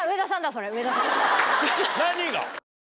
何が？